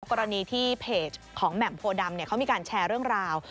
กรณีที่เพจของแหม่มโพดำเขามีการแชร์เรื่องราว